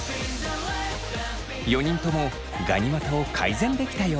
４人ともガニ股を改善できたようです。